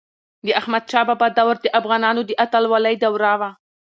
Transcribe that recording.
د احمد شاه بابا دور د افغانانو د اتلولی دوره وه.